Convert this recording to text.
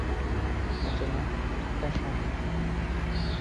Maintenant, tout a changé.